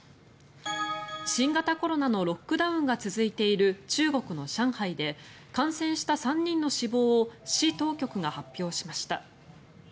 新型コロナのロックダウンが続いている中国の上海で感染した３人の死亡を市当局が発表しました。